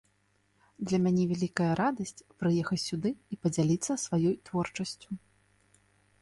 Для мяне вялікая радасць прыехаць сюды і падзяліцца сваёй творчасцю.